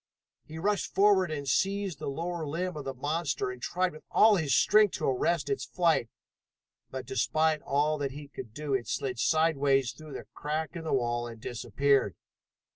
He rushed forward and seized the lower limb of the monster and tried with all his strength to arrest its flight, but despite all that he could do it slid sideways through the crack in the wall and disappeared.